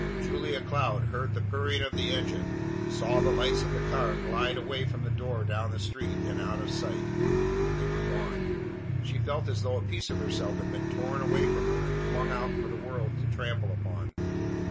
Julia Cloud heard the purring of the engine, saw the lights of the car glide away from the door down the street and out of sight. They were gone! She felt as though a piece of herself had been torn away from her and flung out for the world to trample upon.